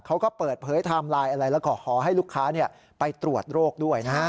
เขาก็เปิดเผยไทม์ไลน์อะไรแล้วก็ขอให้ลูกค้าไปตรวจโรคด้วยนะฮะ